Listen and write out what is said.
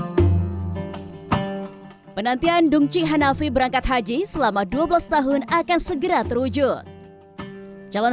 hai penantian dungci hanafi berangkat haji selama dua belas tahun akan segera terwujud calon